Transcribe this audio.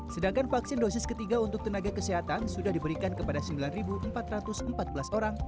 sedangkan vaksin dosis ketiga untuk tenaga kesehatan sudah diberikan kepada sembilan empat ratus empat belas orang